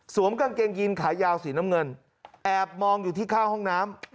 กางเกงยีนขายาวสีน้ำเงินแอบมองอยู่ที่ข้างห้องน้ำ